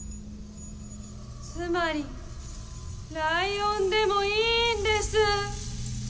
つまりライオンでもいいんです。